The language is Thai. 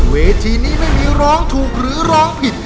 เวทีนี้ไม่มีร้องถูกหรือร้องผิด